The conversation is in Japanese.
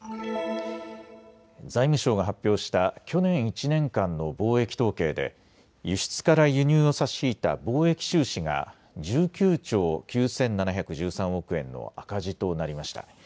財務省が発表した去年１年間の貿易統計で輸出から輸入を差し引いた貿易収支が１９兆９７１３億円の赤字となりました。